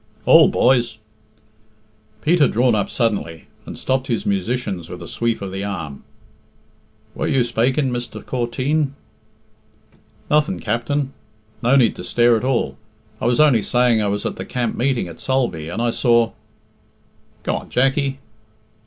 "Hould, boys!" Pete had drawn up suddenly, and stopped his musicians with a sweep of the arm. "Were you spaking, Mr. Corteen?" "Nothing, Capt'n. No need to stare at all. I was only saying I was at the camp meeting at Sulby, and I saw " "Go on, Jackie."